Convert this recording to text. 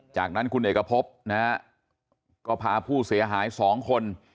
จากนั้นคุณเอกพบนะฮะก็พาผู้เสียหาย๒คน